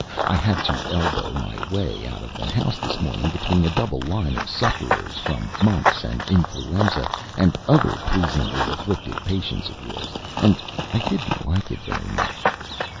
I had to elbow my way out of the house this morning between a double line of sufferers from mumps and influenza, and other pleasingly afflicted patients of yours, and I didn't like it very much."